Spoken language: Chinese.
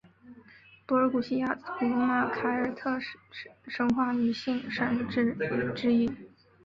柏尔古希亚古罗马凯尔特神话女性神只之一。